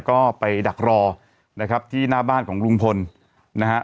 ก็ไปดักรอนะครับที่หน้าบ้านของลุงพลนะฮะ